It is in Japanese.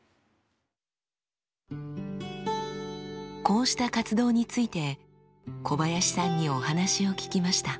こうした活動について小林さんにお話を聞きました。